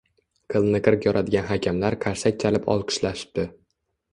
Qilni qirq yoradigan hakamlar qarsak chalib olqishlashibdi